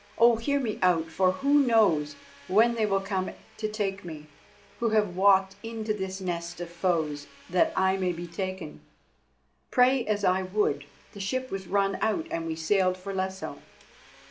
Oh! hear me out, for who knows when they will come to take me, who have walked into this nest of foes that I may be taken? Pray as I would, the ship was run out, and we sailed for Lesso.